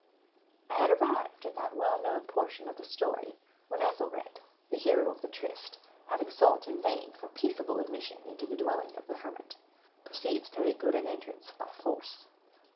I had arrived at that well known portion of the story where Ethelred, the hero of the Trist, having sought in vain for peaceable admission into the dwelling of the hermit, proceeds to make good an entrance by force.